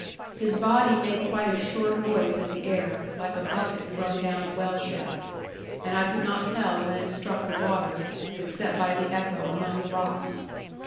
His body made quite a short noise in the air, like a bucket thrown down a well shaft, and I could not tell when it struck the water, except by the echo among the rocks.